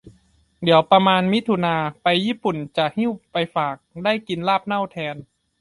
เดี๋ยวประมาณมิถุนาไปญี่ปุ่นจะหิ้วไปฝาก ได้กินลาบเน่าแทน